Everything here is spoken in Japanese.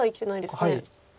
はい。